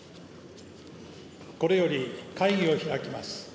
これより会議を開きます。